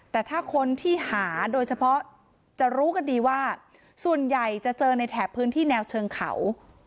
แต่ถ้าคนที่หาโดยเฉพาะจะรู้กันดีว่าส่วนใหญ่จะเจอในแถบพื้นที่แนวเชิงเขา